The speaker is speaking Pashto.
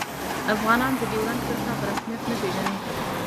افغانان د ډیورنډ کرښه په رسمیت نه پيژني